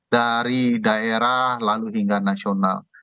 dari daerah lalu hingga nasional